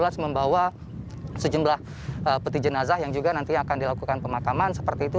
membawa sejumlah peti jenazah yang juga nanti akan dilakukan pemakaman seperti itu